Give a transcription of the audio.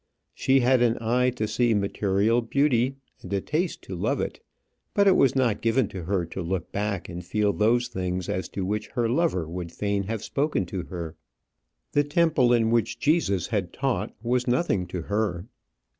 She had an eye to see material beauty, and a taste to love it; but it was not given to her to look back and feel those things as to which her lover would fain have spoken to her. The temple in which Jesus had taught was nothing to her.